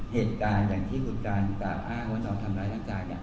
เหตุการณ์อย่างที่คุณการณ์กลับอ้างว่าน้องทำร้ายทั้งกายเนี่ย